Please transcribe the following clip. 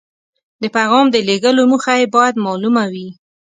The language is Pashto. د پیغام د لیږلو موخه یې باید مالومه وي.